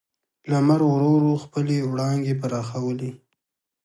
لمر ورو ورو خپلې وړانګې پراخولې.